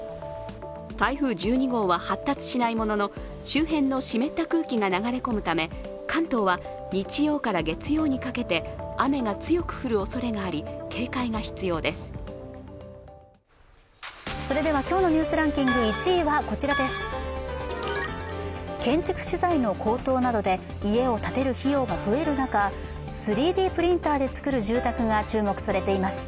台風１２号は発達しないものの周辺の湿った空気が流れ込むため関東は日曜から月曜にかけて雨が強く降るおそれがありそれでは今日の「ニュースランキング」、１位はこちらです、建築資材の高騰などで家を建てる費用が増える中３Ｄプリンターでつくる住宅が注目されています。